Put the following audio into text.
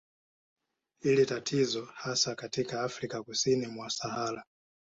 Hili ni tatizo hasa katika Afrika kusini mwa Sahara